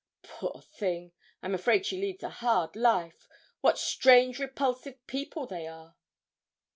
'Poor thing! I'm afraid she leads a hard life. What strange, repulsive people they are!'